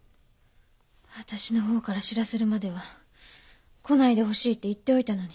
私の方から知らせるまでは来ないでほしいって言っておいたのに。